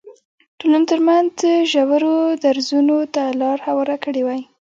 ټولنو ترمنځ ژورو درزونو ته لار هواره کړې وای.